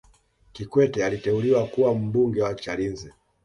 kikwete aliteuliwa kuwa mbunge wa chalinze